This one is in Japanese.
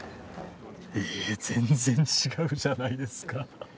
ええ全然違うじゃないですか。